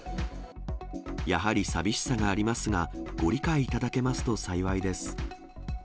やはり寂しさがありますが、ご理解いただけますと幸いです。